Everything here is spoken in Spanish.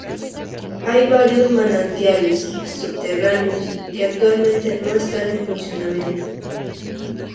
Hay varios manantiales subterráneos que actualmente no están en funcionamiento.